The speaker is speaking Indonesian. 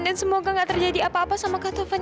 dan semoga gak terjadi apa apa sama kak taufan